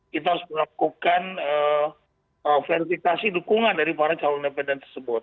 kita harus melakukan verifikasi dukungan dari para calon independen tersebut